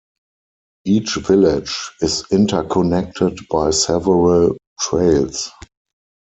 Each village is interconnected by several trails.